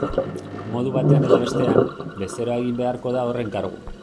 Modu batean edo bestean, bezeroa egin beharko da horren kargu.